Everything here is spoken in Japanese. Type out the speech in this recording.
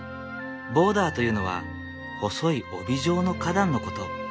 ボーダーというのは細い帯状の花壇のこと。